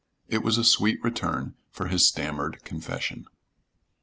It was a sweet return for his stammered confession.